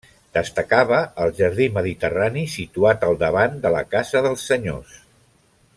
Destacava el jardí mediterrani situat al davant de la casa dels senyors.